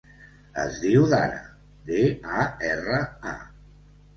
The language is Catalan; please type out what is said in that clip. Es diu Dara: de, a, erra, a.